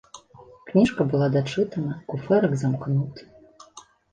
Кніжка была дачытана, куфэрак замкнуты.